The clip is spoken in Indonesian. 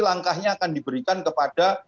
langkahnya akan diberikan kepada